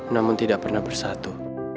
namun tidak pernah bersatu